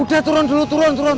udah turun dulu turun turun